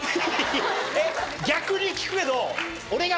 逆に聞くけど。